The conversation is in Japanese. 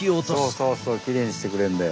そうそうそうきれいにしてくれるんだよ。